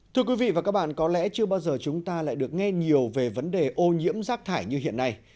thưa quý vị và các bạn có lẽ chưa bao giờ chúng ta lại được nghe nhiều về vấn đề ô nhiễm rác thải như hiện nay